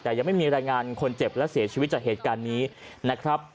แต่ยังไม่มีรายงานคนเจ็บและเสียชีวิตจากเหตุการณ์นี้นะครับ